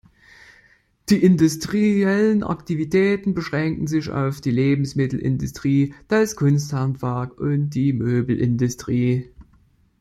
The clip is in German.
Die industriellen Aktivitäten beschränken sich auf die Lebensmittelindustrie, das Kunsthandwerk und die Möbelindustrie.